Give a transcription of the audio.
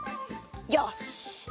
よし！